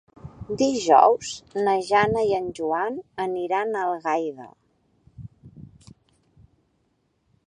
Dijous na Jana i en Joan aniran a Algaida.